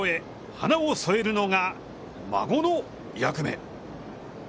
花を添えるのが、孫の役目。